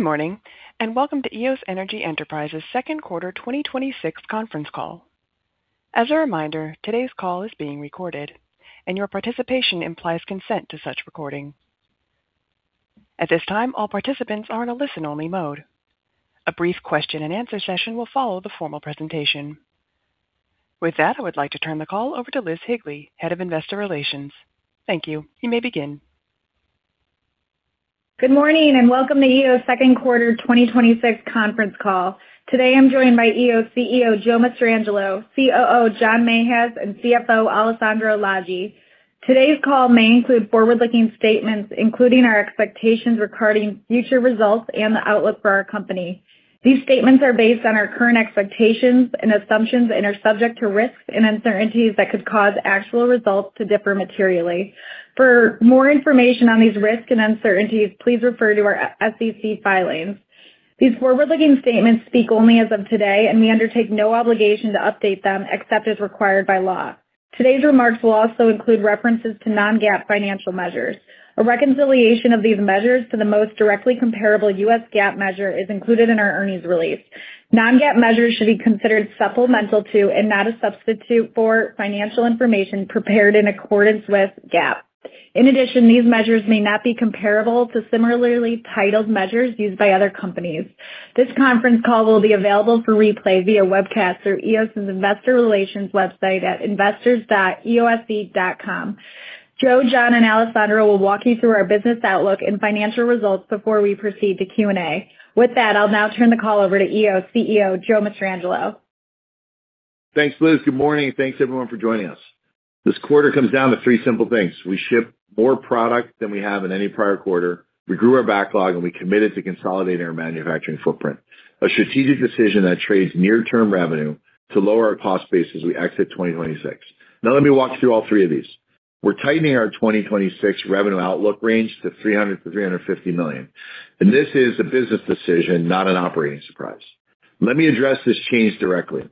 Good morning. Welcome to Eos Energy Enterprises' Q2 2026 conference call. As a reminder, today's call is being recorded, and your participation implies consent to such recording. At this time, all participants are in a listen-only mode. A brief question-and-answer session will follow the formal presentation. With that, I would like to turn the call over to Liz Higley, Head of Investor Relations. Thank you. You may begin. Good morning. Welcome to Eos' Q2 2026 conference call. Today, I'm joined by Eos CEO, Joe Mastrangelo, COO, John Mahaz, and CFO, Alessandro Lagi. Today's call may include forward-looking statements, including our expectations regarding future results and the outlook for our company. These statements are based on our current expectations and assumptions and are subject to risks and uncertainties that could cause actual results to differ materially. For more information on these risks and uncertainties, please refer to our SEC filings. These forward-looking statements speak only as of today, and we undertake no obligation to update them except as required by law. Today's remarks will also include references to non-GAAP financial measures. A reconciliation of these measures to the most directly comparable US GAAP measure is included in our earnings release. Non-GAAP measures should be considered supplemental to, and not a substitute for, financial information prepared in accordance with GAAP. In addition, these measures may not be comparable to similarly titled measures used by other companies. This conference call will be available for replay via webcast through Eos's investor relations website at investors.eose.com. Joe, John, and Alessandro will walk you through our business outlook and financial results before we proceed to Q&A. With that, I'll now turn the call over to Eos CEO, Joe Mastrangelo. Thanks, Liz. Good morning. Thanks everyone for joining us. This quarter comes down to three simple things. We shipped more product than we have in any prior quarter, we grew our backlog, and we committed to consolidating our manufacturing footprint. A strategic decision that trades near-term revenue to lower our cost base as we exit 2026. Now, let me walk through all three of these. We're tightening our 2026 revenue outlook range to $300 million-$350 million. This is a business decision, not an operating surprise. Let me address this change directly.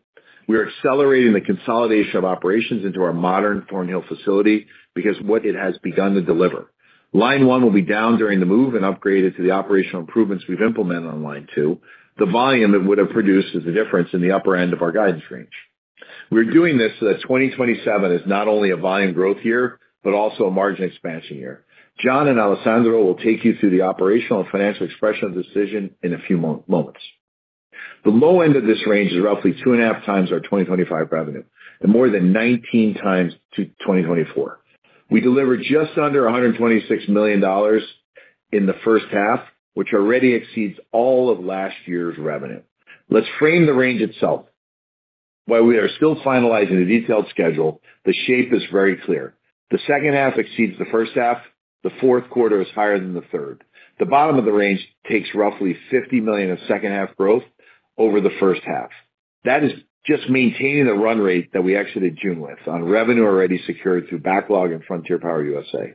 We are accelerating the consolidation of operations into our modern Thorn Hill facility because of what it has begun to deliver. Line one will be down during the move and upgraded to the operational improvements we've implemented on line two. The volume it would have produced is the difference in the upper end of our guidance range. We're doing this so that 2027 is not only a volume growth year, but also a margin expansion year. John and Alessandro will take you through the operational and financial expression of decision in a few moments. The low end of this range is roughly two and a half times our 2025 revenue and more than 19x to 2024. We delivered just under $126 million in the H1, which already exceeds all of last year's revenue. Let's frame the range itself. While we are still finalizing a detailed schedule, the shape is very clear. The H2 exceeds the H1, the Q4 is higher than the third. The bottom of the range takes roughly $50 million of H2 growth over the H1. That is just maintaining the run rate that we exited June with on revenue already secured through backlog and Frontier Power USA.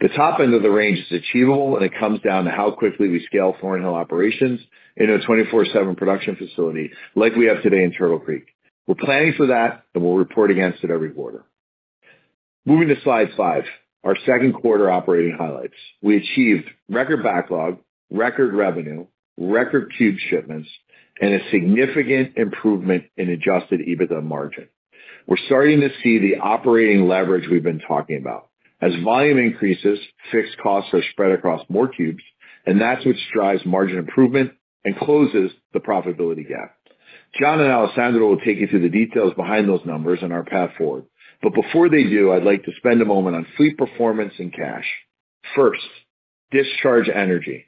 The top end of the range is achievable. It comes down to how quickly we scale Thorn Hill operations in a 24/7 production facility like we have today in Turtle Creek. We're planning for that, and we'll report against it every quarter. Moving to slide five, our Q2 operating highlights. We achieved record backlog, record revenue, record cube shipments, and a significant improvement in adjusted EBITDA margin. We're starting to see the operating leverage we've been talking about. As volume increases, fixed costs are spread across more cubes, and that's what drives margin improvement and closes the profitability gap. John and Alessandro will take you through the details behind those numbers and our path forward. Before they do, I'd like to spend a moment on fleet performance and cash. First, discharge energy.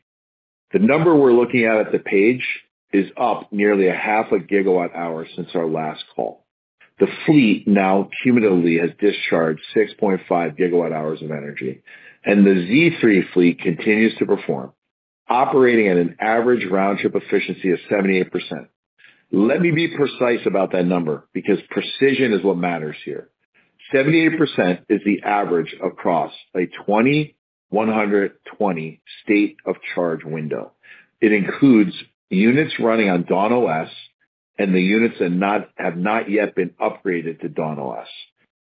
The number we're looking at at the page is up nearly a half a gigawatt hour since our last call. The fleet now cumulatively has discharged 6.5 GWh of energy. The Z3 fleet continues to perform, operating at an average round trip efficiency of 78%. Let me be precise about that number, because precision is what matters here. 78% is the average across a 2,120 state of charge window. It includes units running on DawnOS and the units that have not yet been upgraded to DawnOS.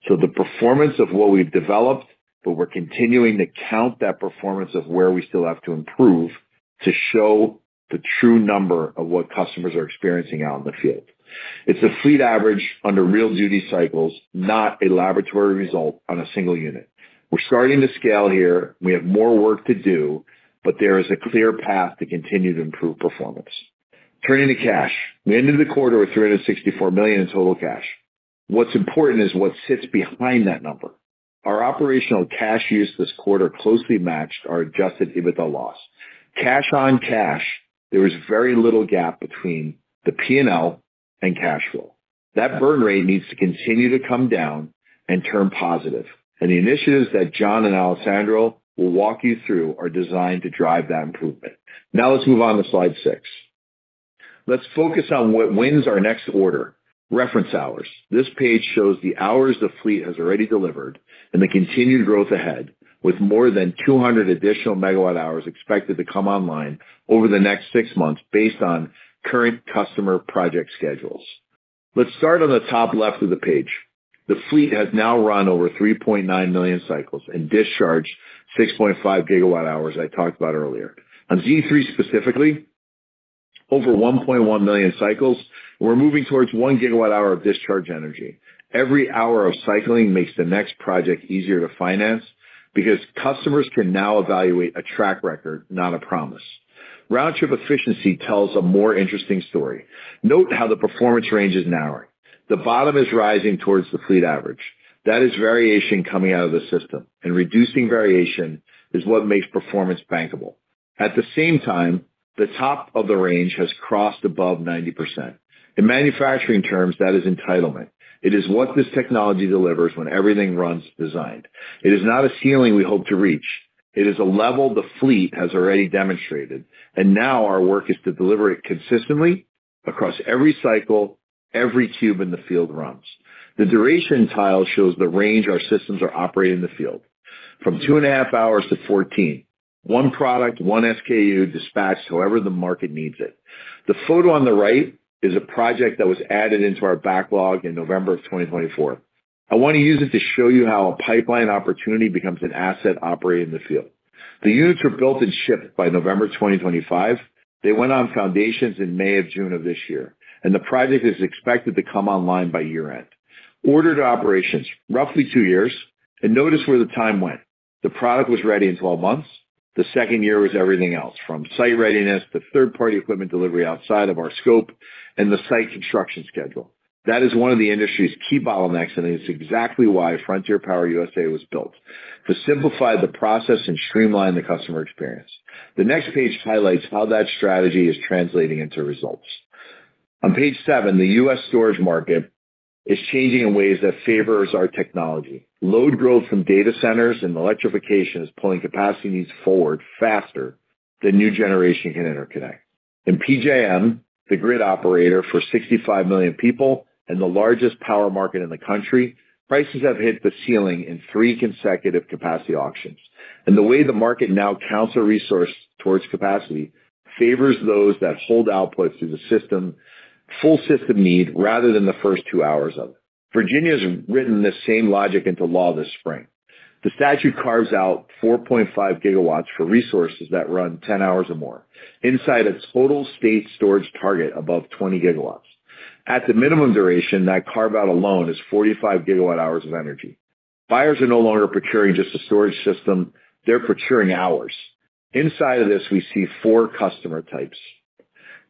The performance of what we've developed, but we're continuing to count that performance of where we still have to improve to show the true number of what customers are experiencing out in the field. It's a fleet average under real duty cycles, not a laboratory result on a single unit. We're starting to scale here. We have more work to do. There is a clear path to continue to improve performance. Turning to cash. We ended the quarter with $364 million in total cash. What's important is what sits behind that number. Our operational cash use this quarter closely matched our adjusted EBITDA loss. Cash on cash, there was very little gap between the P&L and cash flow. That burn rate needs to continue to come down and turn positive. The initiatives that John and Alessandro will walk you through are designed to drive that improvement. Now let's move on to slide six. Let's focus on what wins our next order. Reference hours. This page shows the hours the fleet has already delivered and the continued growth ahead with more than 200 additional megawatt hours expected to come online over the next six months based on current customer project schedules. Let's start on the top left of the page. The fleet has now run over 3.9 million cycles and discharged 6.5 GWh I talked about earlier. On Z3 specifically, over 1.1 million cycles, we are moving towards 1 GWh of discharge energy. Every hour of cycling makes the next project easier to finance, because customers can now evaluate a track record, not a promise. Round trip efficiency tells a more interesting story. Note how the performance range is narrowing. The bottom is rising towards the fleet average. That is variation coming out of the system, and reducing variation is what makes performance bankable. At the same time, the top of the range has crossed above 90%. In manufacturing terms, that is entitlement. It is what this technology delivers when everything runs designed. It is not a ceiling we hope to reach. It is a level the fleet has already demonstrated, and now our work is to deliver it consistently across every cycle, every cube in the field runs. The duration tile shows the range our systems are operating in the field. From two and a half hours to 14. One product, one SKU dispatched however the market needs it. The photo on the right is a project that was added into our backlog in November of 2024. I want to use it to show you how a pipeline opportunity becomes an asset operating in the field. The units were built and shipped by November 2025. They went on foundations in May or June of this year, and the project is expected to come online by year-end. Order to operations, roughly two years, and notice where the time went. The product was ready in 12 months. The second year was everything else, from site readiness to third-party equipment delivery outside of our scope and the site construction schedule. That is one of the industry's key bottlenecks, and it is exactly why Frontier Power USA was built, to simplify the process and streamline the customer experience. The next page highlights how that strategy is translating into results. On page seven, the U.S. storage market is changing in ways that favors our technology. Load growth from data centers and electrification is pulling capacity needs forward faster than new generation can interconnect. In PJM, the grid operator for 65 million people and the largest power market in the country, prices have hit the ceiling in three consecutive capacity auctions, and the way the market now counts a resource towards capacity favors those that hold outputs to the system, full system need rather than the first two hours of it. Virginia has written the same logic into law this spring. The statute carves out 4.5 GW for resources that run 10 hours or more inside a total state storage target above 20 GW. At the minimum duration, that carve-out alone is 45 GWh of energy. Buyers are no longer procuring just a storage system; they are procuring hours. Inside of this, we see four customer types.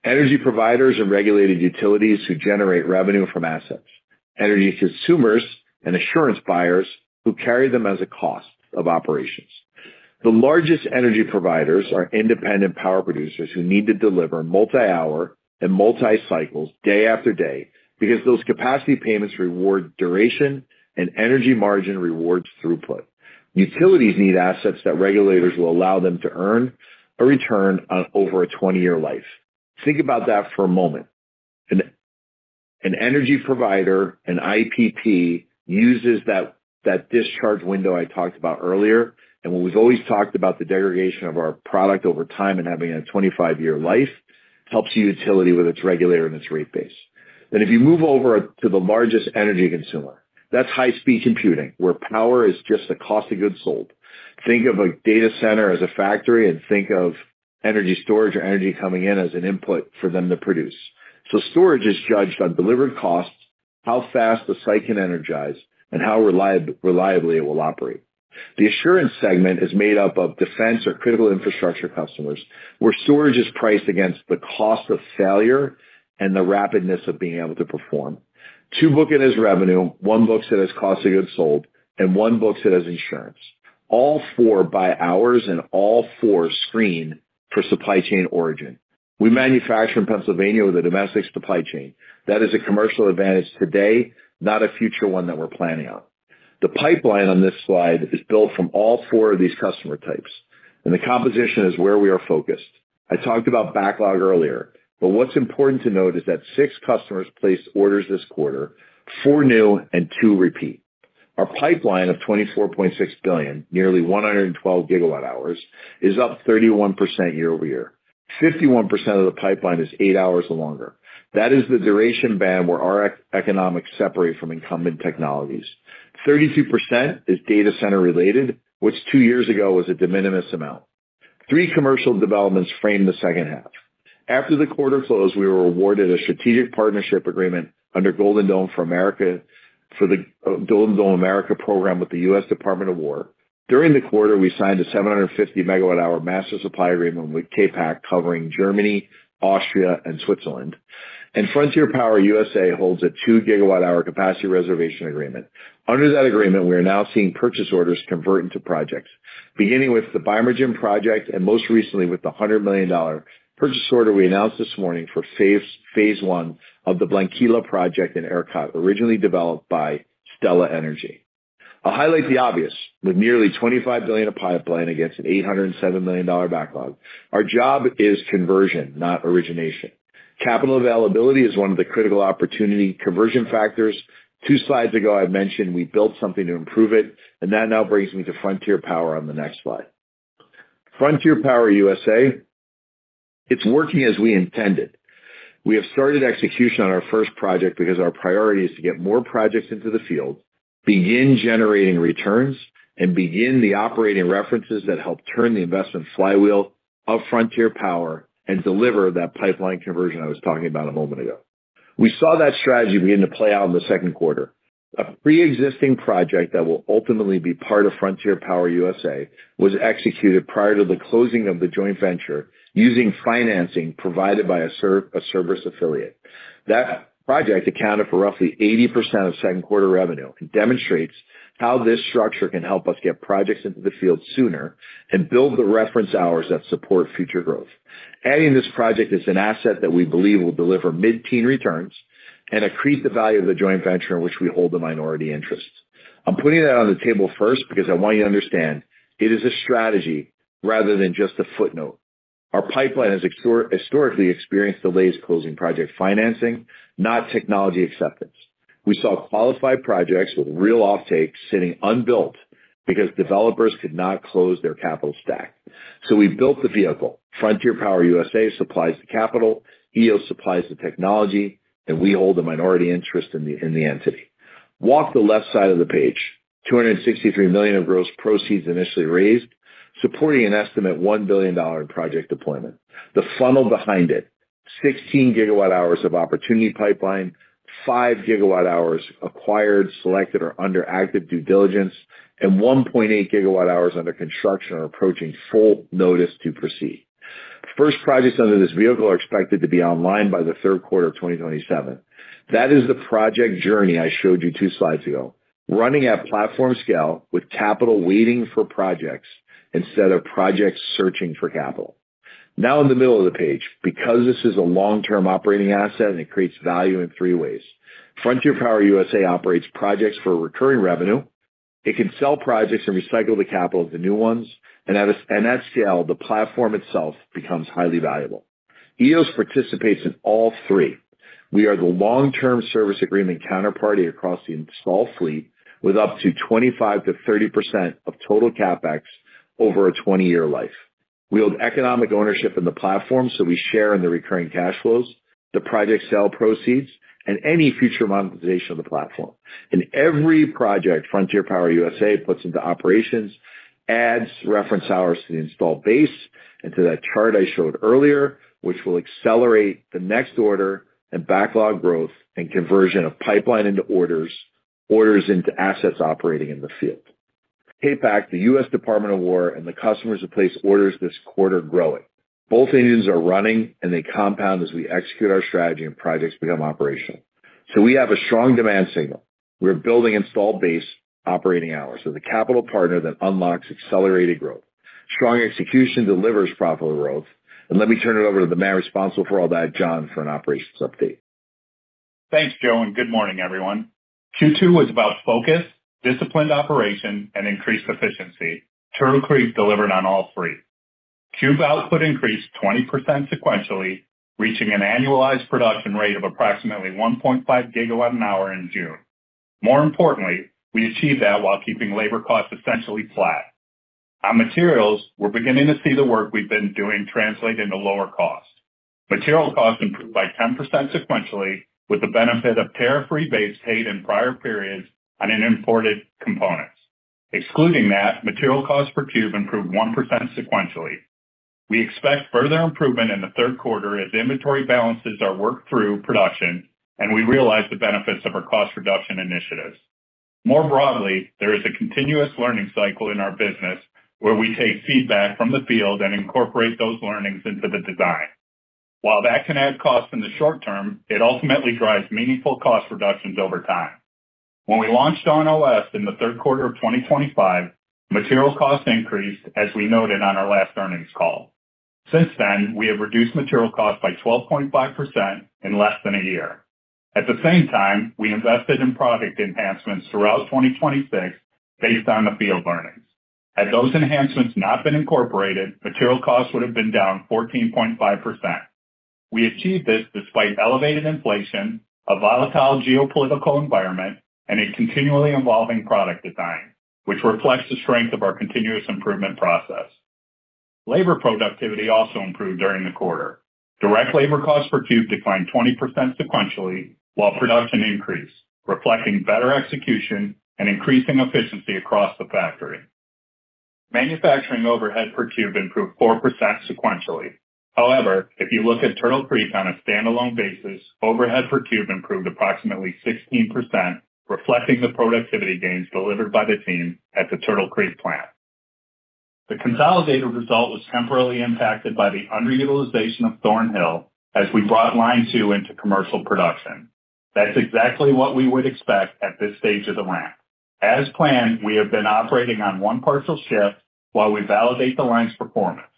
Energy providers and regulated utilities who generate revenue from assets. Energy consumers and assurance buyers who carry them as a cost of operations. The largest energy providers are independent power producers who need to deliver multi-hour and multi-cycles day after day because those capacity payments reward duration and energy margin rewards throughput. Utilities need assets that regulators will allow them to earn a return on over a 20-year life. Think about that for a moment. An energy provider, an IPP, uses that discharge window I talked about earlier, when we've always talked about the degradation of our product over time and having a 25-year life helps a utility with its regulator and its rate base. If you move over to the largest energy consumer, that's high-speed computing, where power is just a cost of goods sold. Think of a data center as a factory and think of energy storage or energy coming in as an input for them to produce. Storage is judged on delivered costs, how fast the site can energize, and how reliably it will operate. The assurance segment is made up of defense or critical infrastructure customers, where storage is priced against the cost of failure and the rapidness of being able to perform. Two book it as revenue, one books it as cost of goods sold, one books it as insurance. All four buy hours, all four screen for supply chain origin. We manufacture in Pennsylvania with a domestic supply chain. That is a commercial advantage today, not a future one that we're planning on. The pipeline on this slide is built from all four of these customer types, the composition is where we are focused. I talked about backlog earlier, what's important to note is that six customers placed orders this quarter, four new and two repeat. Our pipeline of $24.6 billion, nearly 112 GWh, is up 31% year-over-year. 51% of the pipeline is eight hours or longer. That is the duration band where our economics separate from incumbent technologies. 32% is data center related, which two years ago was a de minimis amount. Three commercial developments frame the H2. After the quarter closed, we were awarded a strategic partnership agreement under Golden Dome for America program with the U.S. Department of War. During the quarter, we signed a 750 MWh master supply agreement with CAPAC covering Germany, Austria, and Switzerland. Frontier Power USA holds a 2 GWh capacity reservation agreement. Under that agreement, we are now seeing purchase orders convert into projects, beginning with the Bimergen project and most recently with the $100 million purchase order we announced this morning for phase one of the Blanquilla project in ERCOT, originally developed by Stella Energy. I'll highlight the obvious. With nearly $25 billion of pipeline against an $807 million backlog, our job is conversion, not origination. Capital availability is one of the critical opportunity conversion factors. Two slides ago, I mentioned we built something to improve it, that now brings me to Frontier Power on the next slide. Frontier Power USA, it's working as we intended. We have started execution on our first project because our priority is to get more projects into the field, begin generating returns, and begin the operating references that help turn the investment flywheel of Frontier Power and deliver that pipeline conversion I was talking about a moment ago. We saw that strategy begin to play out in the Q2. A preexisting project that will ultimately be part of Frontier Power USA was executed prior to the closing of the joint venture using financing provided by a service affiliate. That project accounted for roughly 80% of Q2 revenue and demonstrates how this structure can help us get projects into the field sooner and build the reference hours that support future growth. Adding this project is an asset that we believe will deliver mid-teen returns and accrete the value of the joint venture in which we hold the minority interests. I'm putting that on the table first because I want you to understand it is a strategy rather than just a footnote. Our pipeline has historically experienced delays closing project financing, not technology acceptance. We saw qualified projects with real offtake sitting unbuilt because developers could not close their capital stack. We built the vehicle. Frontier Power USA supplies the capital, Eos supplies the technology, and we hold a minority interest in the entity. Walk the left side of the page, $263 million of gross proceeds initially raised, supporting an estimate $1 billion in project deployment. The funnel behind it, 16 GWh of opportunity pipeline, 5 GWh acquired, selected, or under active due diligence, and 1.8 GWh under construction are approaching full notice to proceed. First projects under this vehicle are expected to be online by the Q3 of 2027. That is the project journey I showed you two slides ago, running at platform scale with capital waiting for projects instead of projects searching for capital. Now in the middle of the page, because this is a long-term operating asset and it creates value in three ways. Frontier Power USA operates projects for recurring revenue. It can sell projects and recycle the capital into new ones, and at scale, the platform itself becomes highly valuable. Eos participates in all three. We are the long-term service agreement counterparty across the installed fleet, with up to 25%-30% of total CapEx over a 20-year life. We hold economic ownership in the platform, so we share in the recurring cash flows, the project sale proceeds, and any future monetization of the platform. In every project Frontier Power USA puts into operations adds reference hours to the installed base and to that chart I showed earlier, which will accelerate the next order and backlog growth and conversion of pipeline into orders into assets operating in the field. CAPAC, the U.S. Department of War, and the customers that place orders this quarter growing. Both engines are running. They compound as we execute our strategy and projects become operational. We have a strong demand signal. We're building installed base operating hours. The capital partner that unlocks accelerated growth. Strong execution delivers profitable growth. Let me turn it over to the man responsible for all that, John, for an operations update. Thanks, Joe, and good morning, everyone. Q2 was about focus, disciplined operation, and increased efficiency. Turtle Creek delivered on all three. Cube output increased 20% sequentially, reaching an annualized production rate of approximately 1.5 GWh in June. More importantly, we achieved that while keeping labor costs essentially flat. On materials, we're beginning to see the work we've been doing translate into lower costs. Material costs improved by 10% sequentially with the benefit of tariff-free base rate in prior periods on an imported components. Excluding that, material cost per cube improved 1% sequentially. We expect further improvement in the Q3 as inventory balances our work through production and we realize the benefits of our cost reduction initiatives. More broadly, there is a continuous learning cycle in our business where we take feedback from the field and incorporate those learnings into the design. While that can add cost in the short term, it ultimately drives meaningful cost reductions over time. When we launched NLS in the Q3 of 2025, material costs increased as we noted on our last earnings call. Since then, we have reduced material costs by 12.5% in less than a year. At the same time, we invested in product enhancements throughout 2026 based on the field learnings. Had those enhancements not been incorporated, material costs would have been down 14.5%. We achieved this despite elevated inflation, a volatile geopolitical environment, and a continually evolving product design, which reflects the strength of our continuous improvement process. Labor productivity also improved during the quarter. Direct labor cost per cube declined 20% sequentially while production increased, reflecting better execution and increasing efficiency across the factory. Manufacturing overhead per cube improved 4% sequentially. However, if you look at Turtle Creek on a standalone basis, overhead per cube improved approximately 16%, reflecting the productivity gains delivered by the team at the Turtle Creek plant. The consolidated result was temporarily impacted by the underutilization of Thorn Hill as we brought line two into commercial production. That's exactly what we would expect at this stage of the ramp. As planned, we have been operating on one partial shift while we validate the line's performance.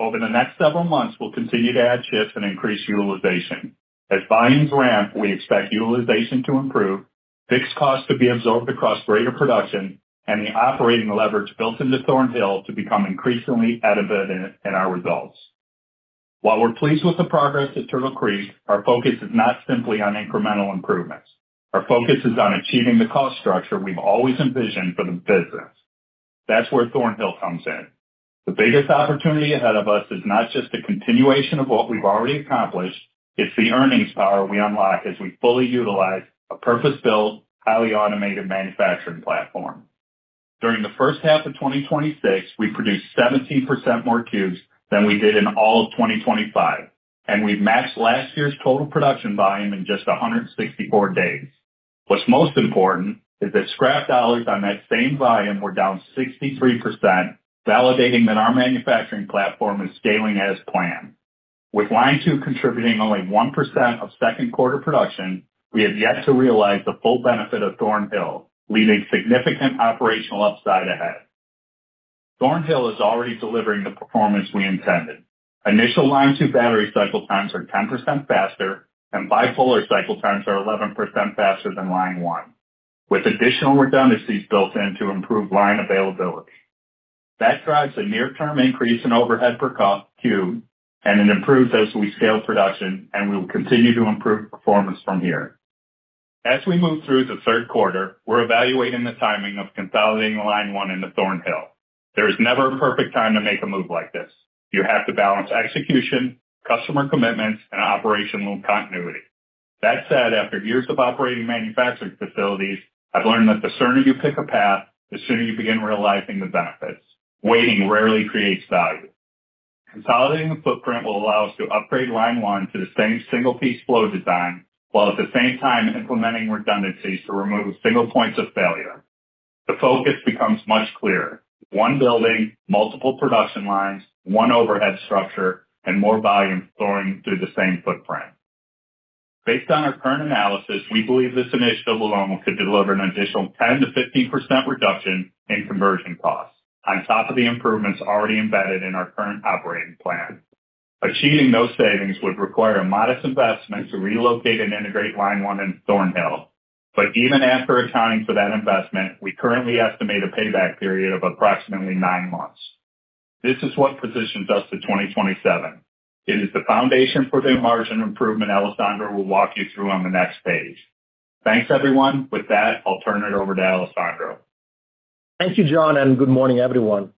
Over the next several months, we'll continue to add shifts and increase utilization. As volumes ramp, we expect utilization to improve, fixed costs to be absorbed across greater production, and the operating leverage built into Thorn Hill to become increasingly evident in our results. While we're pleased with the progress at Turtle Creek, our focus is not simply on incremental improvements. Our focus is on achieving the cost structure we've always envisioned for the business. That's where Thorn Hill comes in. The biggest opportunity ahead of us is not just a continuation of what we've already accomplished, it's the earnings power we unlock as we fully utilize a purpose-built, highly automated manufacturing platform. During the H1 of 2026, we produced 17% more cubes than we did in all of 2025, and we've matched last year's total production volume in just 164 days. What's most important is that scrap dollars on that same volume were down 63%, validating that our manufacturing platform is scaling as planned. With line two contributing only 1% of Q2 production, we have yet to realize the full benefit of Thorn Hill, leaving significant operational upside ahead. Thorn Hill is already delivering the performance we intended. Initial line two battery cycle times are 10% faster, and bipolar cycle times are 11% faster than line one, with additional redundancies built in to improve line availability. That drives a near-term increase in overhead per cube. It improves as we scale production. We will continue to improve performance from here. As we move through the Q3, we're evaluating the timing of consolidating line one into Thorn Hill. There is never a perfect time to make a move like this. You have to balance execution, customer commitments, and operational continuity. That said, after years of operating manufacturing facilities, I've learned that the sooner you pick a path, the sooner you begin realizing the benefits. Waiting rarely creates value. Consolidating the footprint will allow us to upgrade line one to the same single-piece flow design, while at the same time implementing redundancies to remove single points of failure. The focus becomes much clearer. One building, multiple production lines, one overhead structure, and more volume flowing through the same footprint. Based on our current analysis, we believe this initiative alone could deliver an additional 10%-15% reduction in conversion costs on top of the improvements already embedded in our current operating plan. Achieving those savings would require a modest investment to relocate and integrate line one in Thorn Hill. Even after accounting for that investment, we currently estimate a payback period of approximately nine months. This is what positions us to 2027. It is the foundation for the margin improvement Alessandro will walk you through on the next page. Thanks, everyone. With that, I'll turn it over to Alessandro. Thank you, John. Good morning, everyone.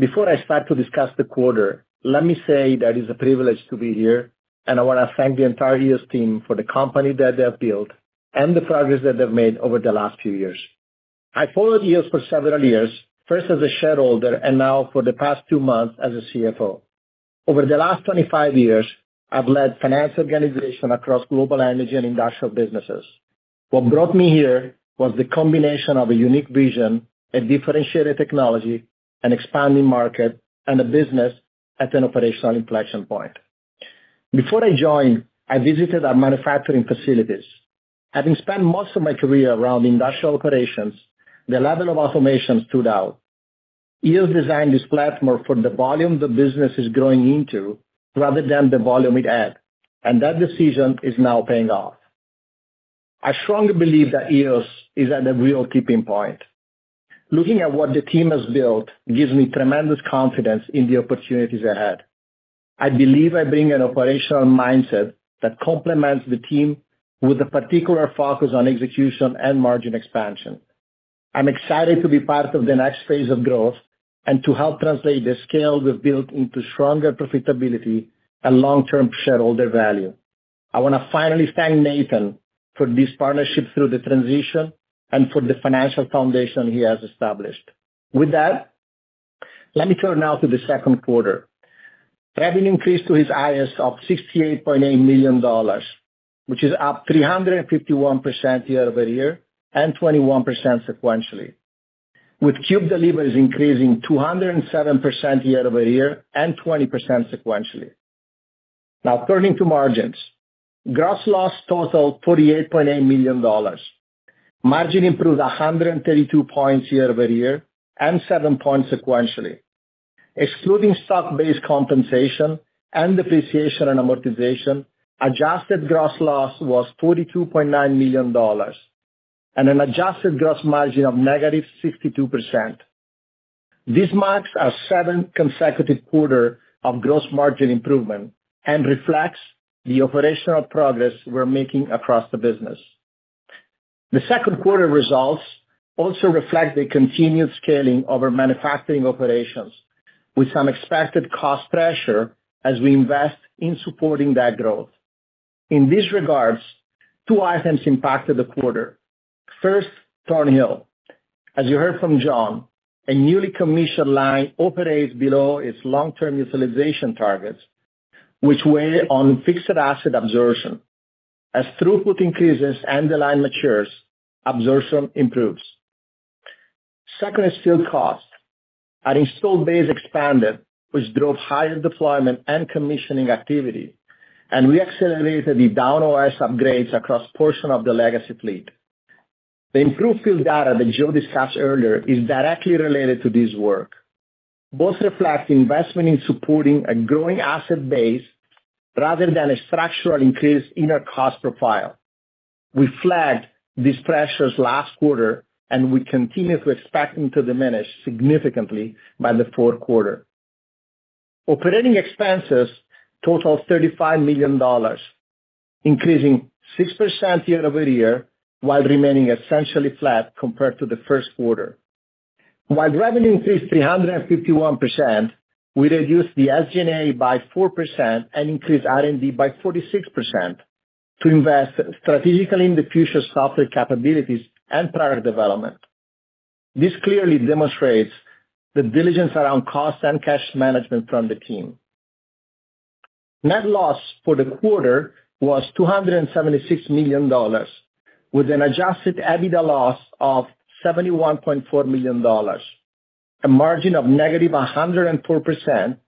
Before I start to discuss the quarter, let me say that it's a privilege to be here. I want to thank the entire Eos team for the company that they have built and the progress that they've made over the last few years. I followed Eos for several years, first as a shareholder. Now for the past two months as a CFO. Over the last 25 years, I've led finance organizations across global energy and industrial businesses. What brought me here was the combination of a unique vision, a differentiated technology, an expanding market, and a business at an operational inflection point. Before I joined, I visited our manufacturing facilities. Having spent most of my career around industrial operations, the level of automation stood out. Eos designed this platform for the volume the business is growing into rather than the volume it had. That decision is now paying off. I strongly believe that Eos is at a real tipping point. Looking at what the team has built gives me tremendous confidence in the opportunities ahead. I believe I bring an operational mindset that complements the team with a particular focus on execution and margin expansion. I'm excited to be part of the next phase of growth and to help translate the scale we've built into stronger profitability and long-term shareholder value. I want to finally thank Nathan for this partnership through the transition and for the financial foundation he has established. With that, let me turn now to the Q2. Revenue increased to its highest of $68.8 million, which is up 351% year-over-year and 21% sequentially, with cube deliveries increasing 207% year-over-year and 20% sequentially. Turning to margins. Gross loss totaled $48.8 million. Margin improved 132 points year-over-year and seven points sequentially. Excluding stock-based compensation and depreciation and amortization, adjusted gross loss was $42.9 million and an adjusted gross margin of -62%. This marks our seventh consecutive quarter of gross margin improvement and reflects the operational progress we're making across the business. The Q2 results also reflect the continued scaling of our manufacturing operations, with some expected cost pressure as we invest in supporting that growth. In these regards, two items impacted the quarter. First, Thorn Hill. As you heard from John, a newly commissioned line operates below its long-term utilization targets, which weigh on fixed asset absorption. As throughput increases and the line matures, absorption improves. Second is field costs. Our installed base expanded, which drove higher deployment and commissioning activity, and we accelerated the DawnOS upgrades across portion of the legacy fleet. The improved field data that Joe discussed earlier is directly related to this work. Both reflect investment in supporting a growing asset base rather than a structural increase in our cost profile. We flagged these pressures last quarter, and we continue to expect them to diminish significantly by the Q4. Operating expenses total $35 million, increasing 6% year-over-year while remaining essentially flat compared to the Q1. While revenue increased 351%, we reduced the SG&A by 4% and increased R&D by 46% to invest strategically in the future software capabilities and product development. This clearly demonstrates the diligence around cost and cash management from the team. Net loss for the quarter was $276 million, with an adjusted EBITDA loss of $71.4 million, a margin of -104%,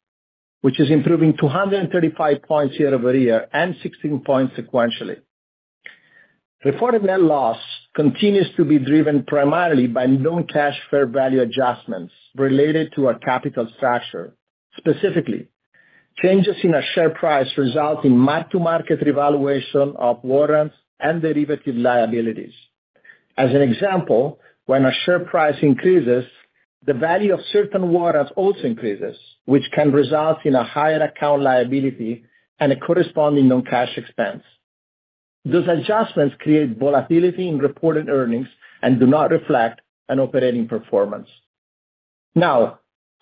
which is improving 235 points year-over-year and 16 points sequentially. Reported net loss continues to be driven primarily by non-cash fair value adjustments related to our capital structure. Specifically, changes in our share price result in mark-to-market revaluation of warrants and derivative liabilities. As an example, when our share price increases, the value of certain warrants also increases, which can result in a higher account liability and a corresponding non-cash expense. Those adjustments create volatility in reported earnings and do not reflect an operating performance.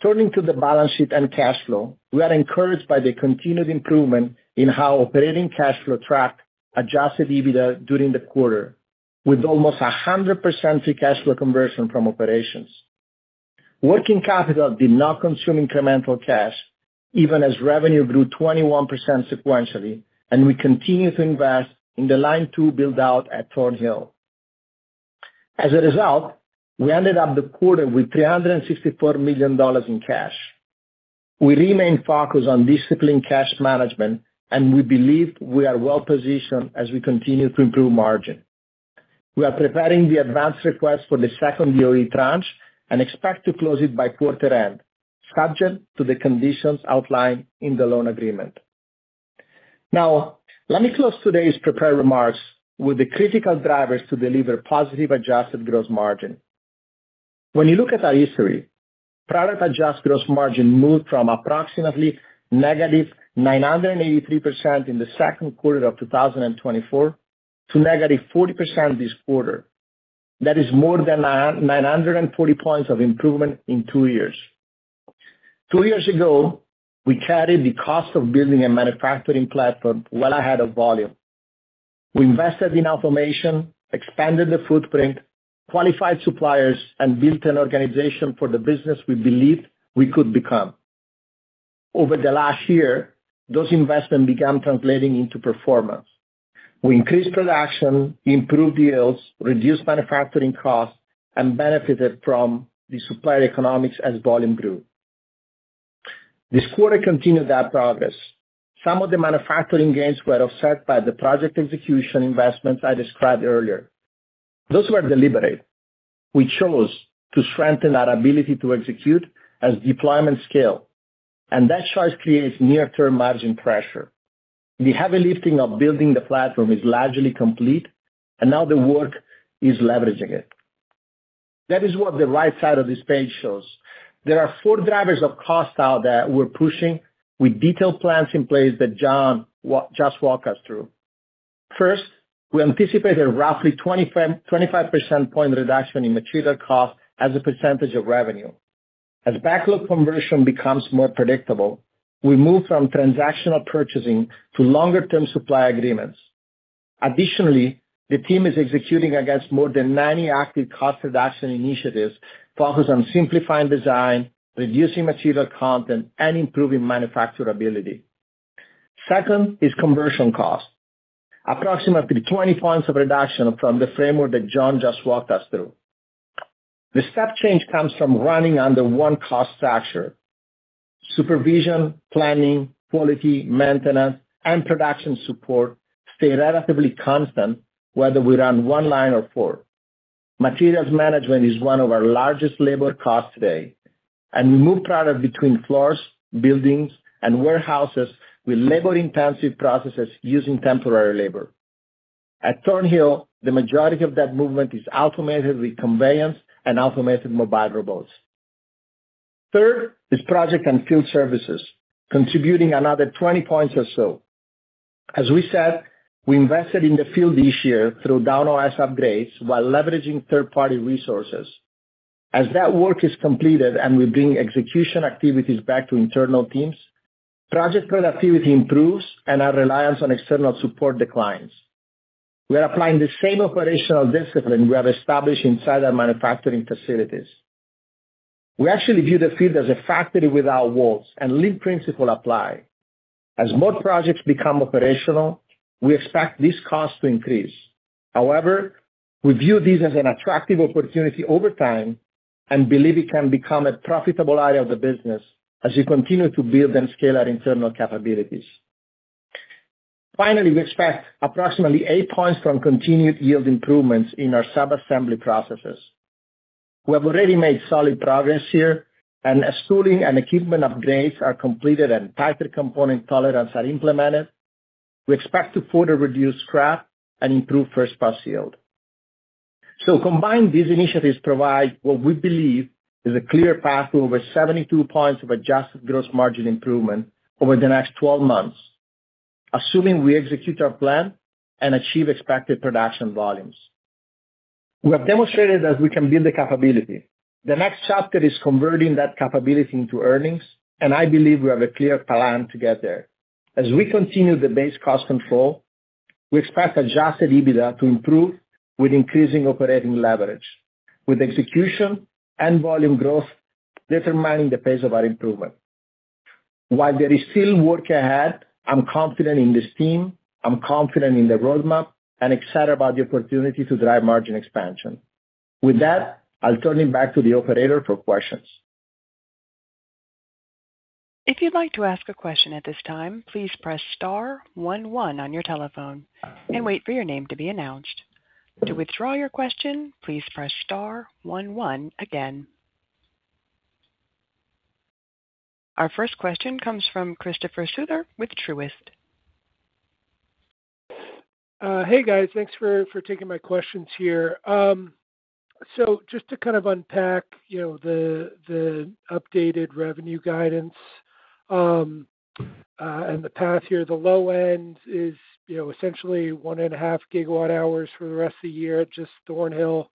Turning to the balance sheet and cash flow, we are encouraged by the continued improvement in how operating cash flow tracked adjusted EBITDA during the quarter, with almost 100% free cash flow conversion from operations. Working capital did not consume incremental cash, even as revenue grew 21% sequentially, and we continue to invest in the line two build-out at Thorn Hill. As a result, we ended up the quarter with $364 million in cash. We remain focused on disciplined cash management, and we believe we are well-positioned as we continue to improve margin. We are preparing the advance request for the second DOE tranche and expect to close it by quarter end, subject to the conditions outlined in the loan agreement. Let me close today's prepared remarks with the critical drivers to deliver positive adjusted gross margin. When you look at our history, product adjusted gross margin moved from approximately -983% in the Q2 of 2024 to -40% this quarter. That is more than 940 points of improvement in two years. Two years ago, we carried the cost of building a manufacturing platform well ahead of volume. We invested in automation, expanded the footprint, qualified suppliers, and built an organization for the business we believed we could become. Over the last year, those investments began translating into performance. We increased production, improved yields, reduced manufacturing costs, and benefited from the supplier economics as volume grew. This quarter continued that progress. Some of the manufacturing gains were offset by the project execution investments I described earlier. Those were deliberate. We chose to strengthen our ability to execute as deployment scale, and that choice creates near-term margin pressure. The heavy lifting of building the platform is largely complete, and now the work is leveraging it. That is what the right side of this page shows. There are four drivers of cost out that we're pushing with detailed plans in place that John just walked us through. First, we anticipate a roughly 25 percentage point reduction in material cost as a percentage of revenue. As backlog conversion becomes more predictable, we move from transactional purchasing to longer-term supply agreements. Additionally, the team is executing against more than 90 active cost reduction initiatives focused on simplifying design, reducing material content, and improving manufacturability. Second is conversion cost. Approximately 20 points of reduction from the framework that John just walked us through. The step change comes from running under one cost structure. Supervision, planning, quality, maintenance, and production support stay relatively constant whether we run one line or four. Materials management is one of our largest labor costs today, and we move product between floors, buildings, and warehouses with labor-intensive processes using temporary labor. At Thorn Hill, the majority of that movement is automated with conveyance and automated mobile robots. Third is project and field services, contributing another 20 points or so. As we said, we invested in the field this year through DawnOS upgrades while leveraging third-party resources. As that work is completed and we bring execution activities back to internal teams, project productivity improves and our reliance on external support declines. We are applying the same operational discipline we have established inside our manufacturing facilities. We actually view the field as a factory without walls and lean principles apply. As more projects become operational, we expect this cost to increase. However, we view this as an attractive opportunity over time and believe it can become a profitable area of the business as we continue to build and scale our internal capabilities. Finally, we expect approximately eight points from continued yield improvements in our sub-assembly processes. We have already made solid progress here, and as tooling and equipment upgrades are completed and tighter component tolerances are implemented, we expect to further reduce scrap and improve first-pass yield. Combined, these initiatives provide what we believe is a clear path to over 72 points of adjusted gross margin improvement over the next 12 months, assuming we execute our plan and achieve expected production volumes. We have demonstrated that we can build the capability. The next chapter is converting that capability into earnings, and I believe we have a clear plan to get there. As we continue the base cost control, we expect adjusted EBITDA to improve with increasing operating leverage, with execution and volume growth determining the pace of our improvement. While there is still work ahead, I'm confident in this team, I'm confident in the roadmap, and excited about the opportunity to drive margin expansion. With that, I'll turn it back to the operator for questions. If you'd like to ask a question at this time, please press star one one on your telephone and wait for your name to be announced. To withdraw your question, please press star one one again. Our first question comes from Christopher Souther with Truist. Hey, guys. Thanks for taking my questions here. Just to kind of unpack the updated revenue guidance, and the path here, the low end is essentially one and a half gigawatt hours for the rest of the year at just Thorn Hill.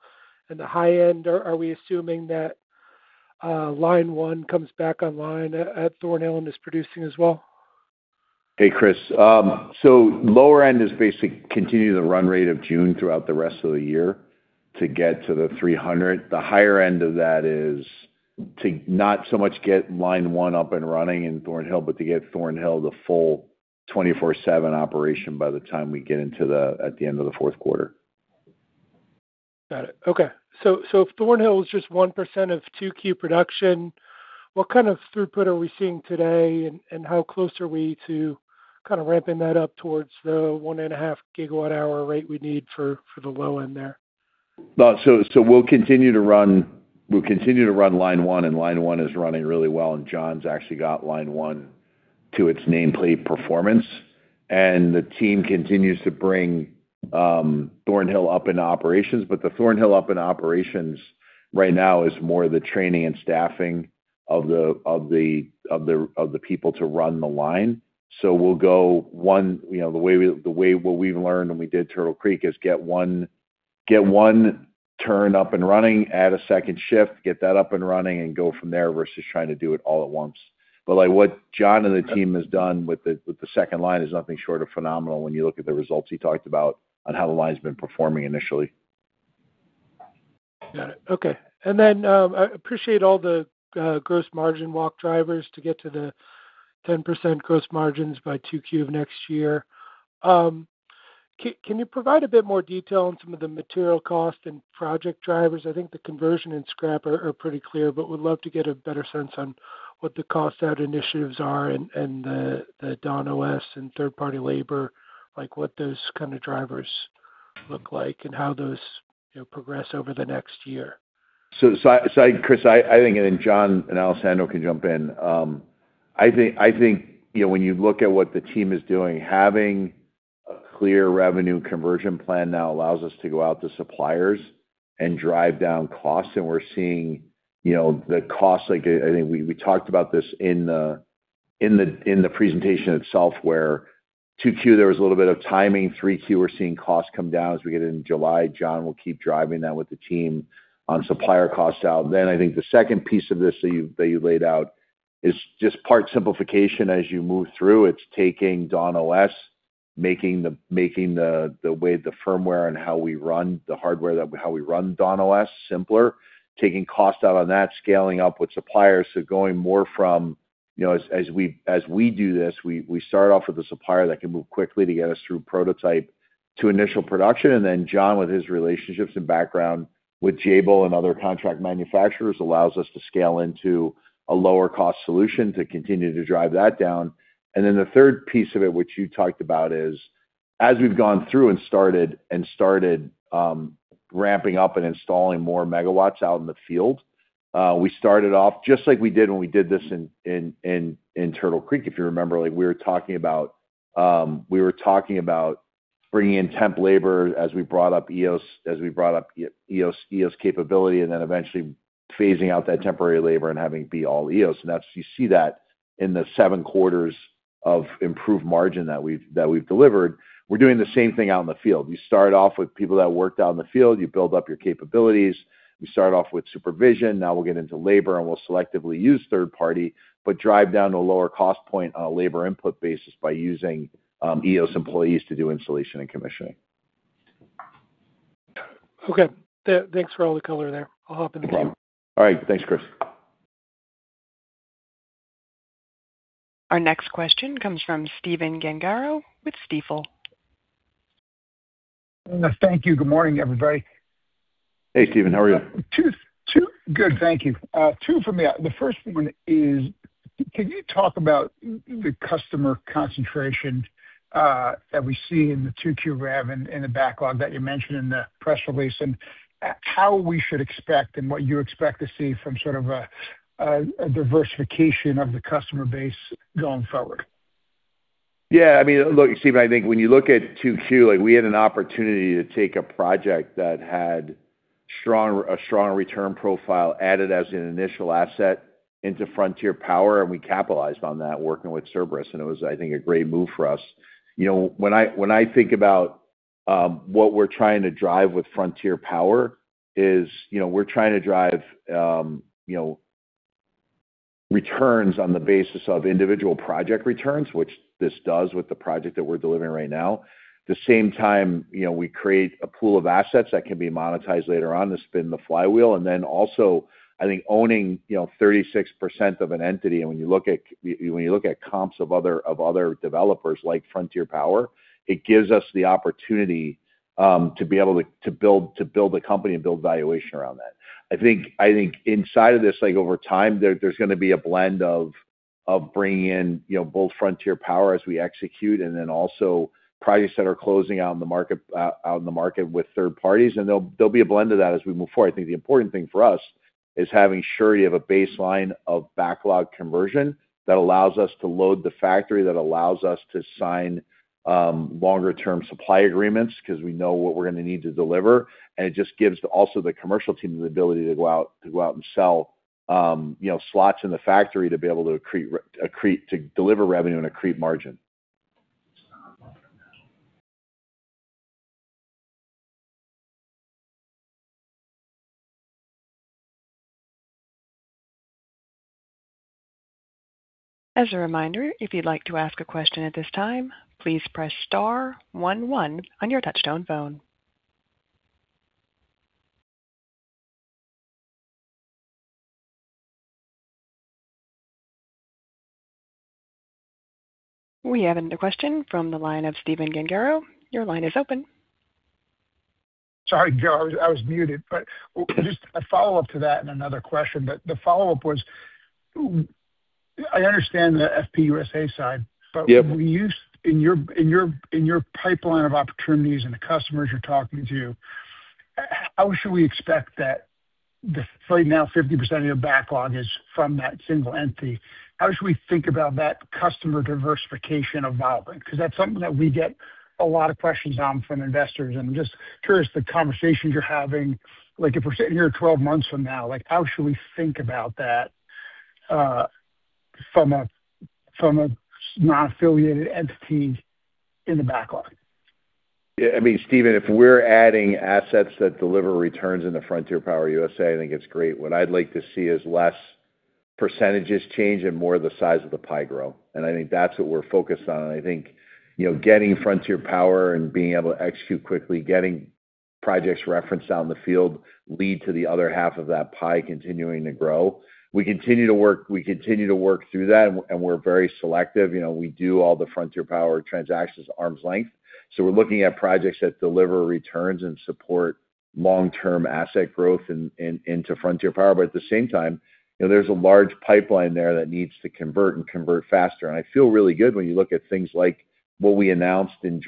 And the high end, are we assuming that line one comes back online at Thorn Hill and is producing as well? Hey, Chris. Lower end is basically continue the run rate of June throughout the rest of the year to get to the 300. The higher end of that is to not so much get line one up and running in Thorn Hill, but to get Thorn Hill the full 24/7 operation by the time we get into the end of the Q4. Got it. Okay. If Thorn Hill is just 1% of 2Q production, what kind of throughput are we seeing today, and how close are we to kind of ramping that up towards the one and a half gigawatt hour rate we need for the low end there? We'll continue to run line one, and line one is running really well. John's actually got line one to its nameplate performance, and the team continues to bring Thorn Hill up into operations. The Thorn Hill up in operations right now is more the training and staffing of the people to run the line. We'll go one, the way what we've learned when we did Turtle Creek is get one turn up and running, add a second shift, get that up and running, and go from there, versus trying to do it all at once. What John and the team has done with the second line is nothing short of phenomenal when you look at the results he talked about on how the line's been performing initially. Got it. Okay. I appreciate all the gross margin walk drivers to get to the 10% gross margins by 2Q of next year. Can you provide a bit more detail on some of the material cost and project drivers? I think the conversion and scrap are pretty clear, but would love to get a better sense on what the cost-out initiatives are and the DawnOS and third-party labor, like what those kind of drivers look like and how those progress over the next year. Chris, I think, and then John and Alessandro can jump in. I think when you look at what the team is doing, having a clear revenue conversion plan now allows us to go out to suppliers and drive down costs. We're seeing the costs, I think we talked about this in the presentation itself, where 2Q there was a little bit of timing, 3Q we're seeing costs come down as we get into July. John will keep driving that with the team on supplier costs out. I think the second piece of this that you laid out is just part simplification as you move through. It's taking DawnOS, making the way the firmware and how we run the hardware, how we run DawnOS simpler, taking cost out on that, scaling up with suppliers. Going more from, as we do this, we start off with a supplier that can move quickly to get us through prototype to initial production, and then John, with his relationships and background with Jabil and other contract manufacturers, allows us to scale into a lower cost solution to continue to drive that down. The third piece of it, which you talked about, is as we've gone through and started ramping up and installing more megawatts out in the field, we started off just like we did when we did this in Turtle Creek. If you remember, we were talking about bringing in temp labor as we brought up Eos capability, and then eventually phasing out that temporary labor and having it be all Eos. You see that in the seven quarters of improved margin that we've delivered. We're doing the same thing out in the field. We start off with people that work out in the field. You build up your capabilities. We start off with supervision. Now we'll get into labor, and we'll selectively use third party, but drive down to a lower cost point on a labor input basis by using Eos employees to do installation and commissioning. Got it. Okay. Thanks for all the color there. I'll hop in the queue. All right. Thanks, Chris. Our next question comes from Stephen Gengaro with Stifel. Thank you. Good morning, everybody. Hey, Stephen. How are you? Good, thank you. Two for me. The first one is, can you talk about the customer concentration that we see in the 2Q rev in the backlog that you mentioned in the press release, and how we should expect and what you expect to see from sort of a diversification of the customer base going forward? Yeah. Look, Stephen, I think when you look at 2Q, we had an opportunity to take a project that had a strong return profile added as an initial asset into Frontier Power, and we capitalized on that working with Cerberus, and it was, I think, a great move for us. When I think about what we're trying to drive with Frontier Power is we're trying to drive returns on the basis of individual project returns, which this does with the project that we're delivering right now. At the same time, we create a pool of assets that can be monetized later on to spin the flywheel. Also, I think owning 36% of an entity, and when you look at comps of other developers like Frontier Power, it gives us the opportunity to be able to build a company and build valuation around that. I think inside of this, over time, there's going to be a blend of bringing in both Frontier Power as we execute, also projects that are closing out in the market with third parties, and there'll be a blend of that as we move forward. I think the important thing for us is having surety of a baseline of backlog conversion that allows us to load the factory, that allows us to sign longer term supply agreements because we know what we're going to need to deliver. It just gives also the commercial team the ability to go out and sell slots in the factory to be able to deliver revenue and accrete margin. As a reminder, if you'd like to ask a question at this time, please press star one one on your touchtone phone. We have another question from the line of Stephen Gengaro. Your line is open. Sorry, Joe, I was muted. Just a follow-up to that and another question. The follow-up was, I understand the FP USA side. Yep In your pipeline of opportunities and the customers you're talking to, how should we expect that the right now 50% of your backlog is from that single entity? How should we think about that customer diversification evolving? Because that's something that we get a lot of questions on from investors, and I'm just curious the conversations you're having, like if we're sitting here 12 months from now, how should we think about that from a non-affiliated entity in the backlog? Yeah. Stephen, if we're adding assets that deliver returns into Frontier Power USA, I think it's great. What I'd like to see is less percentages change and more the size of the pie grow. I think that's what we're focused on. Getting Frontier Power and being able to execute quickly, getting projects referenced out in the field lead to the other half of that pie continuing to grow. We continue to work through that, and we're very selective. We do all the Frontier Power transactions arm's length. We're looking at projects that deliver returns and support long-term asset growth into Frontier Power. At the same time, there's a large pipeline there that needs to convert and convert faster. I feel really good when you look at things like what we announced in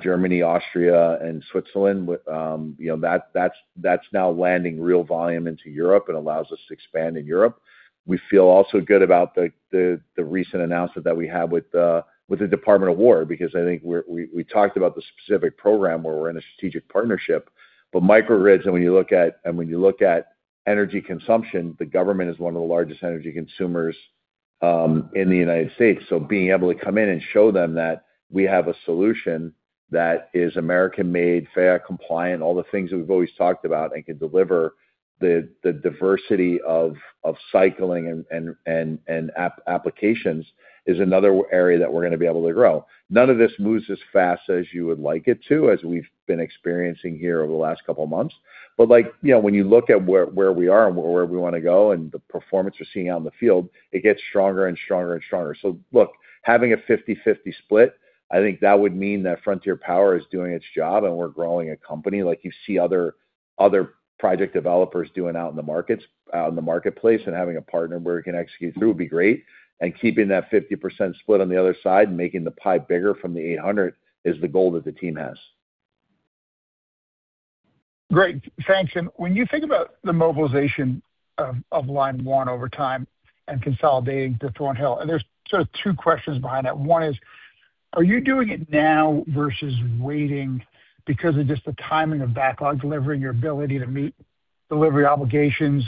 Germany, Austria, and Switzerland. That's now landing real volume into Europe and allows us to expand in Europe. We feel also good about the recent announcement that we had with the Department of War, because I think we talked about the specific program where we're in a strategic partnership. Microgrids, and when you look at energy consumption, the government is one of the largest energy consumers in the U.S. Being able to come in and show them that we have a solution that is American-made, FAIR compliant, all the things that we've always talked about and can deliver the diversity of cycling and applications is another area that we're going to be able to grow. None of this moves as fast as you would like it to, as we've been experiencing here over the last couple of months. When you look at where we are and where we want to go and the performance we're seeing out in the field, it gets stronger and stronger and stronger. Look, having a 50/50 split, I think that would mean that Frontier Power is doing its job and we're growing a company like you see other project developers doing out in the marketplace and having a partner where we can execute through would be great. Keeping that 50% split on the other side and making the pie bigger from the 800 is the goal that the team has. Great. Thanks. When you think about the mobilization of line one over time and consolidating to Thorn Hill, there's sort of two questions behind that. One is, are you doing it now versus waiting because of just the timing of backlog delivery, your ability to meet delivery obligations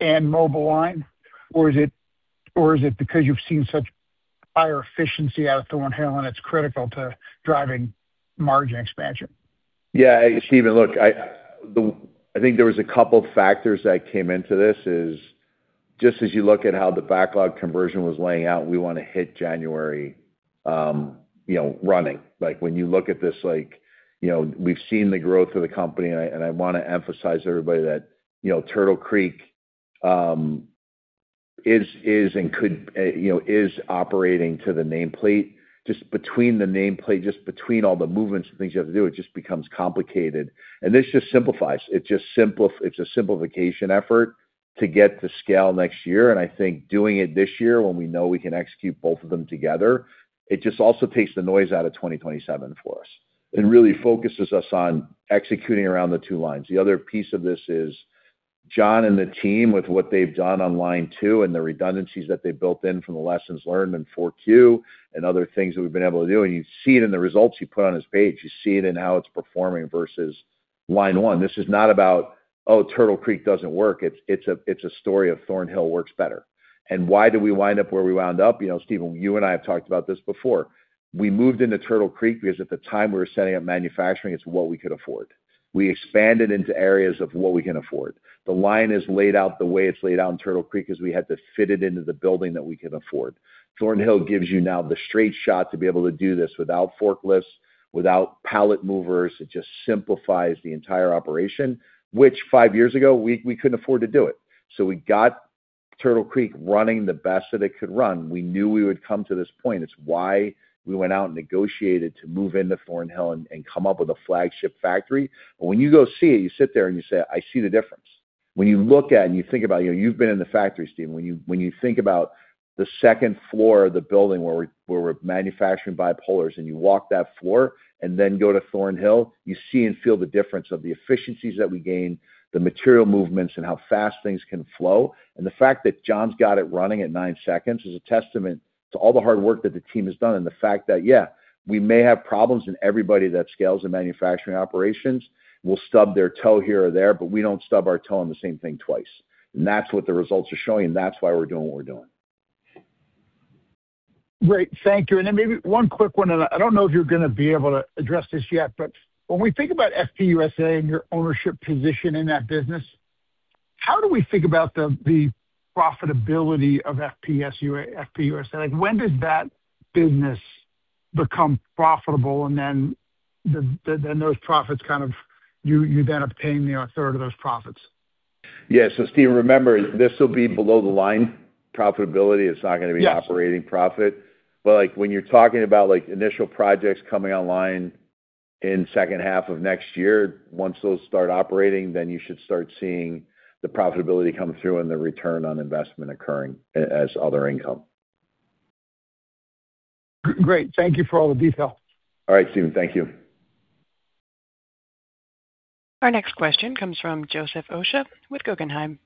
and mobile line? Is it because you've seen such higher efficiency out of Thorn Hill and it's critical to driving margin expansion? Stephen, look, I think there was a couple factors that came into this is just as you look at how the backlog conversion was laying out, we want to hit January running. When you look at this, we've seen the growth of the company, and I want to emphasize everybody that Turtle Creek is operating to the nameplate. Just between the nameplate, between all the movements and things you have to do, it just becomes complicated. This just simplifies. It's a simplification effort to get to scale next year, and I think doing it this year when we know we can execute both of them together, it just also takes the noise out of 2027 for us and really focuses us on executing around the two lines. The other piece of this is John and the team, with what they've done on line two and the redundancies that they built in from the lessons learned in 4Q and other things that we've been able to do, and you see it in the results you put on this page. You see it in how it's performing versus line one. This is not about, oh, Turtle Creek doesn't work. It's a story of Thorn Hill works better. Why did we wind up where we wound up? Stephen, you and I have talked about this before. We moved into Turtle Creek because at the time we were setting up manufacturing, it's what we could afford. We expanded into areas of what we can afford. The line is laid out the way it's laid out in Turtle Creek is we had to fit it into the building that we could afford. Thorn Hill gives you now the straight shot to be able to do this without forklifts, without pallet movers. It just simplifies the entire operation, which, five years ago, we couldn't afford to do it. We got Turtle Creek running the best that it could run. We knew we would come to this point. It's why we went out and negotiated to move into Thorn Hill and come up with a flagship factory. When you go see it, you sit there and you say, "I see the difference." When you look at it and you think about it, you've been in the factory, Stephen. When you think about the second floor of the building where we're manufacturing bipolars, and you walk that floor and then go to Thorn Hill, you see and feel the difference of the efficiencies that we gain, the material movements, and how fast things can flow. The fact that John's got it running at nine seconds is a testament to all the hard work that the team has done, and the fact that, yeah, we may have problems in everybody that scales the manufacturing operations will stub their toe here or there, we don't stub our toe on the same thing twice. That's what the results are showing, and that's why we're doing what we're doing. Great. Thank you. Maybe one quick one, and I don't know if you're going to be able to address this yet, when we think about FP USA and your ownership position in that business, how do we think about the profitability of FP USA? When does that business become profitable, and then those profits kind of You then obtain a third of those profits? Yeah. Stephen, remember, this will be below-the-line profitability. It's not going to be- Yes. Operating profit. When you're talking about initial projects coming online in H2 of next year, once those start operating, then you should start seeing the profitability come through and the return on investment occurring as other income. Great. Thank you for all the detail. All right, Stephen. Thank you. Our next question comes from Joseph Osha with Guggenheim.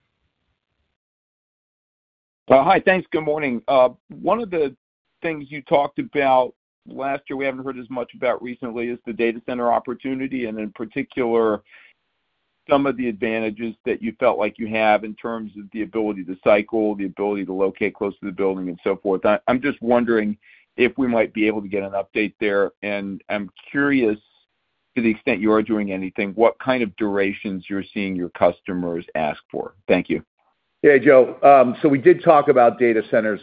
Hi. Thanks. Good morning. One of the things you talked about last year we haven't heard as much about recently is the data center opportunity, and in particular, some of the advantages that you felt like you have in terms of the ability to cycle, the ability to locate close to the building, and so forth. I'm just wondering if we might be able to get an update there. I'm curious, to the extent you are doing anything, what kind of durations you're seeing your customers ask for. Thank you. Yeah, Joe. We did talk about data centers.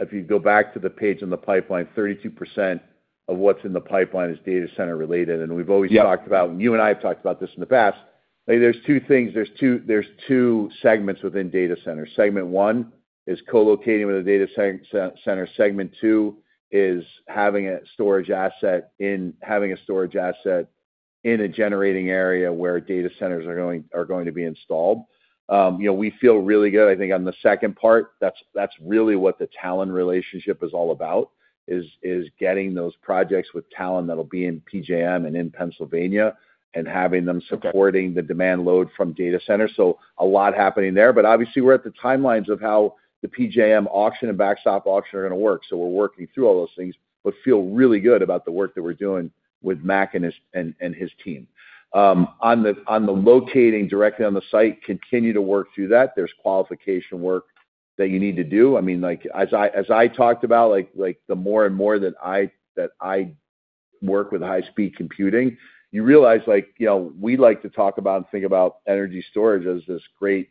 If you go back to the page on the pipeline, 32% of what's in the pipeline is data center related. We've always talked about, and you and I have talked about this in the past, there's two things. There's two segments within data centers. Segment one is co-locating with a data center. Segment two is having a storage asset in a generating area where data centers are going to be installed. We feel really good, I think, on the second part. That's really what the Talen relationship is all about, is getting those projects with Talen that'll be in PJM and in Pennsylvania and having them supporting the demand load from data centers. A lot happening there. Obviously, we're at the timelines of how the PJM auction and backstop auction are going to work. We're working through all those things, but feel really good about the work that we're doing with Mac and his team. On the locating directly on the site, continue to work through that. There's qualification work that you need to do. As I talked about, the more and more that I work with high-speed computing, you realize, we like to talk about and think about energy storage as this great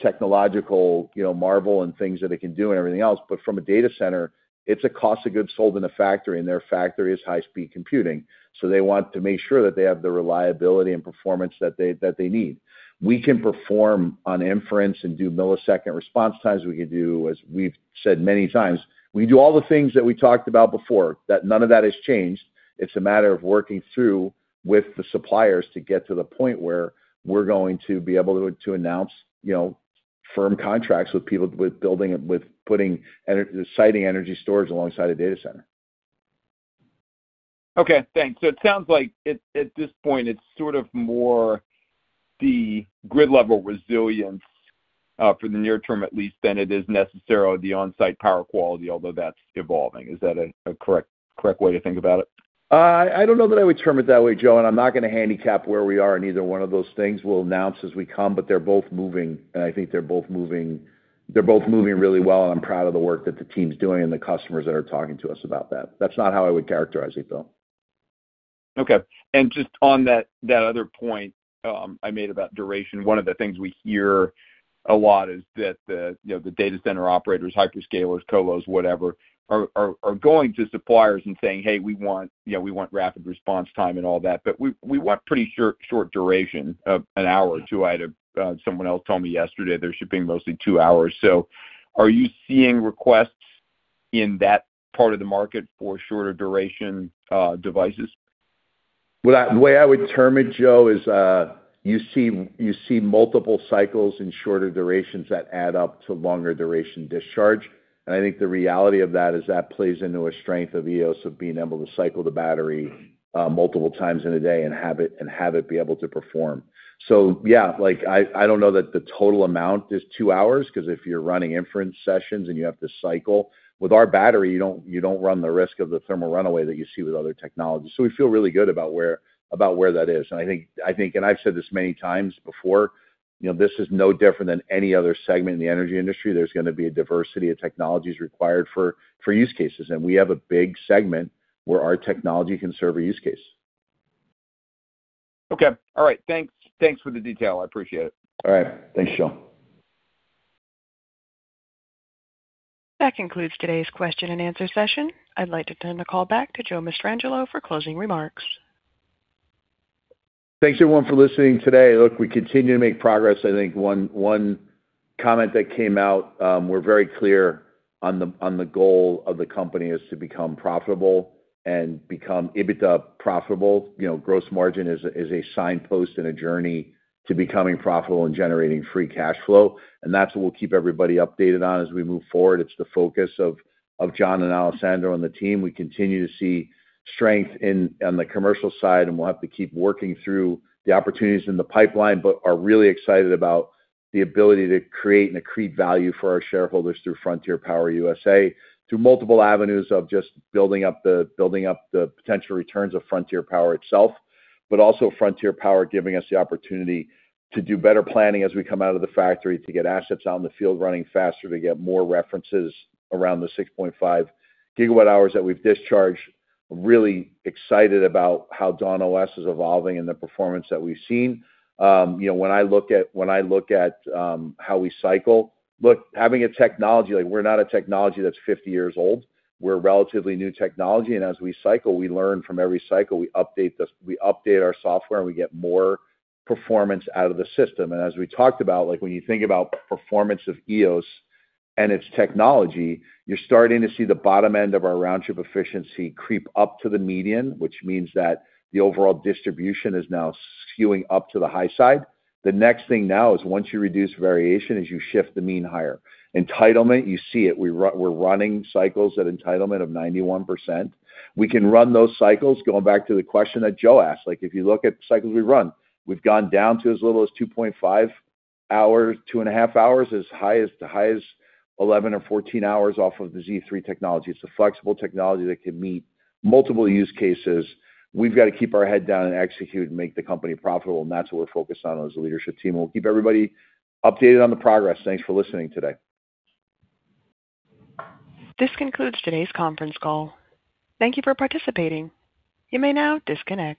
technological marvel and things that it can do and everything else. From a data center, it's a cost of goods sold in a factory, and their factory is high-speed computing. They want to make sure that they have the reliability and performance that they need. We can perform on inference and do millisecond response times. We could do, as we've said many times, we can do all the things that we talked about before. None of that has changed. It's a matter of working through with the suppliers to get to the point where we're going to be able to announce firm contracts with people citing energy storage alongside a data center. Okay, thanks. It sounds like at this point, it's sort of more the grid-level resilience, for the near term at least, than it is necessarily the on-site power quality, although that's evolving. Is that a correct way to think about it? I don't know that I would term it that way, Joe, I'm not going to handicap where we are in either one of those things. We'll announce as we come, they're both moving, I think they're both moving really well, I'm proud of the work that the team's doing and the customers that are talking to us about that. That's not how I would characterize it, though. Okay. Just on that other point I made about duration, one of the things we hear a lot is that the data center operators, hyperscalers, colos, whatever, are going to suppliers and saying, "Hey, we want rapid response time and all that, but we want pretty short duration of an hour or two." Someone else told me yesterday they're shipping mostly two hours. Are you seeing requests in that part of the market for shorter duration devices? Well, the way I would term it, Joe, is you see multiple cycles in shorter durations that add up to longer duration discharge. I think the reality of that is that plays into a strength of Eos of being able to cycle the battery multiple times in a day and have it be able to perform. Yeah, I don't know that the total amount is two hours because if you're running inference sessions and you have to cycle, with our battery, you don't run the risk of the thermal runaway that you see with other technologies. We feel really good about where that is. I think, and I've said this many times before, this is no different than any other segment in the energy industry. There's going to be a diversity of technologies required for use cases. We have a big segment where our technology can serve a use case. Okay. All right. Thanks for the detail. I appreciate it. All right. Thanks, Joe. That concludes today's question and answer session. I'd like to turn the call back to Joe Mastrangelo for closing remarks. Thanks, everyone, for listening today. Look, we continue to make progress. I think one comment that came out, we're very clear on the goal of the company is to become profitable and become EBITDA profitable. Gross margin is a signpost in a journey to becoming profitable and generating free cash flow, and that's what we'll keep everybody updated on as we move forward. It's the focus of John and Alessandro on the team. We continue to see strength on the commercial side, and we'll have to keep working through the opportunities in the pipeline, but are really excited about the ability to create and accrete value for our shareholders through Frontier Power USA through multiple avenues of just building up the potential returns of Frontier Power itself, but also Frontier Power giving us the opportunity to do better planning as we come out of the factory to get assets out in the field running faster, to get more references around the 6.5 GWh that we've discharged. Really excited about how DawnOS is evolving and the performance that we've seen. Look, having a technology, we're not a technology that's 50 years old. We're a relatively new technology, and as we cycle, we learn from every cycle. We update our software, and we get more performance out of the system. As we talked about, when you think about performance of Eos and its technology, you're starting to see the bottom end of our round-trip efficiency creep up to the median, which means that the overall distribution is now skewing up to the high side. The next thing now is once you reduce variation is you shift the mean higher. Entitlement, you see it. We're running cycles at entitlement of 91%. We can run those cycles, going back to the question that Joe asked. If you look at cycles we run, we've gone down to as little as 2.5 hours, two and a half hours, as high as 11 or 14 hours off of the Z3 technology. It's a flexible technology that can meet multiple use cases. We've got to keep our head down and execute and make the company profitable, and that's what we're focused on as a leadership team, and we'll keep everybody updated on the progress. Thanks for listening today. This concludes today's conference call. Thank you for participating. You may now disconnect.